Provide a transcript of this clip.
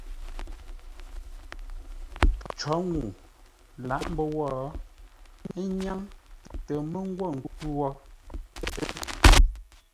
Cǒ ŋuu lǎʼ mbə́ wó, ə́ nyáŋ tə mə́ ngwô nkwʉ́ wó, ə́.